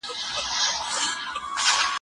دي راروان چې دا مېله چرته ده